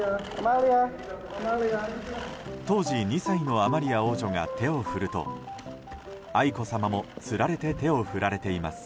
当時、２歳のアマリア王女が手を振ると愛子さまもつられて手を振られています。